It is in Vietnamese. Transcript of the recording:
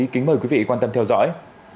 kính mời quý vị quan tâm theo dõi